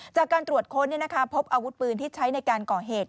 จากการตรวจค้นพบอาวุธปืนที่ใช้ในการก่อเหตุ